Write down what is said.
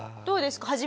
どうですか？